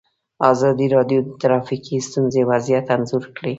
ازادي راډیو د ټرافیکي ستونزې وضعیت انځور کړی.